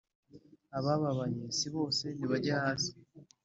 abababaye si bose nibajye hasi